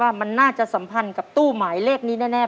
ว่ามันน่าจะสัมพันธ์กับตู้หมายเลขนี้แน่